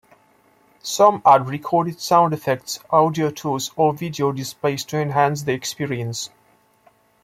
Some add recorded sound effects, audio tours or video displays to enhance the experience.